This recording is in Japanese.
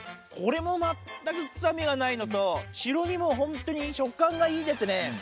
これも全く臭みがないのと、白身も本当に食感がいいですね。